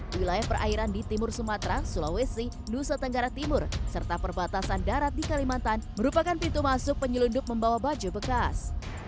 wilayah perairan di timur sumatera sulawesi nusa tenggara timur serta perbatasan darat di kalimantan merupakan pintu masuk penyelundup membawa baju bekas